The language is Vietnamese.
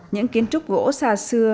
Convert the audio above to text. những kiến trúc gỗ xa xưa